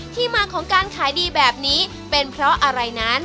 ที่มาของการขายดีแบบนี้เป็นเพราะอะไรนั้น